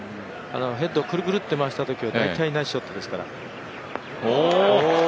ヘッドをくるくるって回したときは大体ナイスショットですから。